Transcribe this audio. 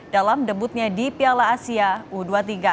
dalam debutnya di piala asia u dua puluh tiga